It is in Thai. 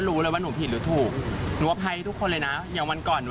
แล้วผมต้องมาก่อน